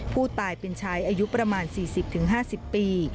ผู้ตายเป็นชายอายุประมาณ๔๐๕๐ปี